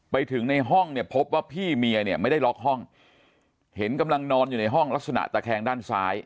ไปถึงในห้องเนี่ยพบว่าพี่เมียเนี่ยไม่ได้ล็อกห้องเห็นกำลังนอนอยู่ในห้องลักษณะตะแคงด้านซ้าย